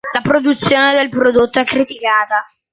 La produzione del prodotto è criticata.